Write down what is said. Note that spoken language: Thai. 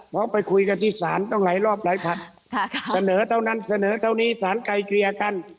เพราะไปคุยกับที่สารต้องไหลรอบไหลผัดเสนอเท่านั้นเสนอเท่านี้สารไก่เกลียร์กัน